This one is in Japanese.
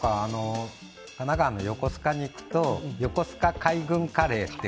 神奈川の横須賀に行くと横須賀海軍カレーって